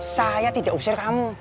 saya tidak usir kamu